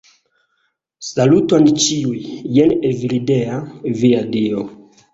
Saluton ĉiuj, jen Evildea, via dio.